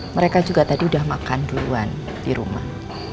mereka juga tadi udah makan duluan di rumah